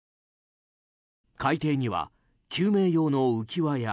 海底には救命用の浮き輪や